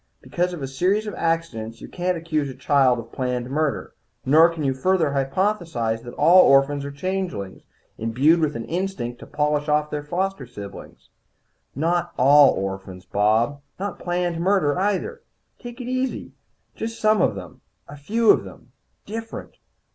Because of a series of accidents you can't accuse a child of planned murder. Nor can you further hypothesize that all orphans are changelings, imbued with an instinct to polish off their foster siblings." "Not all orphans, Bob. Not planned murder, either. Take it easy. Just some of them. A few of them different.